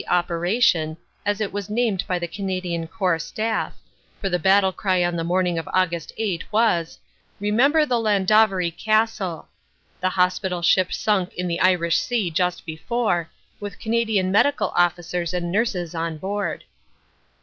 Operation," as it was named by the Canadian Corps Staff, for the battle cry on the morning of Aug. 8 was, "Remember the Llandovery Castle" the hospi tal ship sunk in the Irish Sea just before with Canadian medi cal officers and nurses on board.